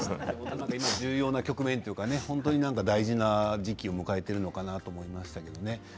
今、重要な局面というか大事な時期を迎えているのかなと思いましたけどね。